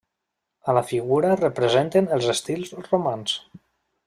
A la figura es representen els estils romans.